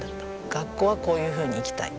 学校はこういうふうに行きたい。